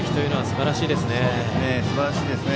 すばらしいですね。